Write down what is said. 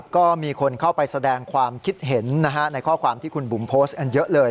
ก็มีคนเข้าไปแสดงความคิดเห็นในข้อความที่คุณบุ๋มโพสต์กันเยอะเลย